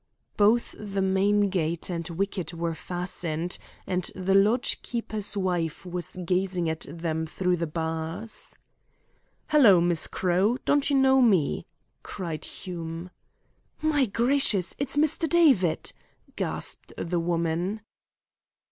Both the main gate and wicket were fastened, and the lodge keeper's wife was gazing at them through the bars. "Hello, Mrs. Crowe, don't you know me?" cried Hume. "My gracious, It's Mr. David!" gasped the woman.